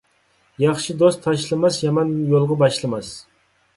ياخشى دوست تاشلىماس، يامان يولغا باشلىماس.